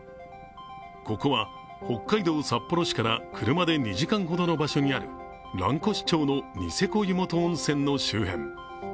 ここは北海道札幌市から車で２時間ほどの場所にある蘭越町のニセコ湯本温泉の周辺。